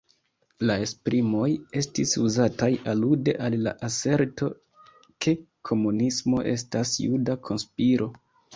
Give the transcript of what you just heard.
La esprimoj estis uzataj alude al la aserto, ke komunismo estas juda konspiro.